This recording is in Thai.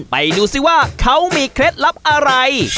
ไปดูซิว่าเขามีเคล็ดลับอะไร